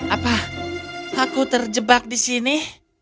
apa aku terjebak di sini